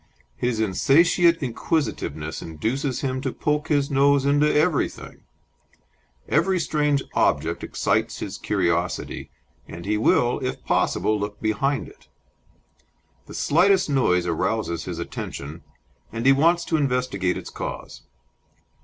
His insatiate inquisitiveness induces him to poke his nose into everything; every strange object excites his curiosity, and he will, if possible, look behind it; the slightest noise arouses his attention, and he wants to investigate its cause.